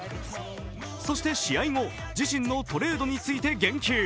そして試合後、自身のトレードについて言及。